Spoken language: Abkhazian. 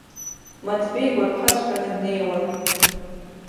Маҭбеи игәарԥхаҵәҟьаны днеиуан.